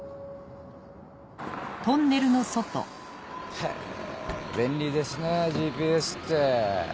へぇ便利ですねＧＰＳって。